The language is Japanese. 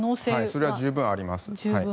それは十分あります。